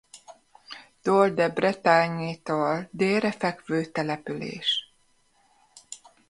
Dol-de-Bretagnetől délre fekvő település.